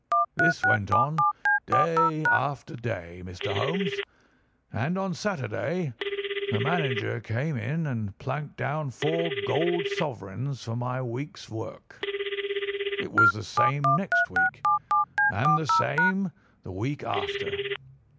"This went on day after day, Mr. Holmes, and on Saturday the manager came in and planked down four golden sovereigns for my week's work. It was the same next week, and the same the week after.